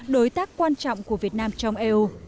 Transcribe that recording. đối tác quan trọng của việt nam trong eu